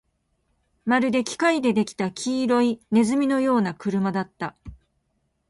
まるで機械で出来た黄色い鼠のような車だった